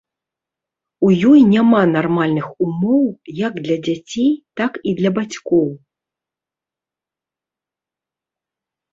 У ёй няма нармальных умоў як для дзяцей, так і для бацькоў.